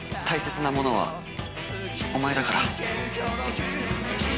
「大切なものはお前だから」